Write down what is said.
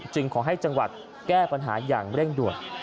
จากถูกออกไหมจับจากเหตุการณ์นี้จึงขอให้จังหวัดแก้ปัญหาอย่างเร่งด่วน